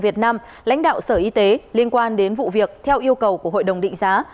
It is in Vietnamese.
việt nam lãnh đạo sở y tế liên quan đến vụ việc theo yêu cầu của hội đồng định giá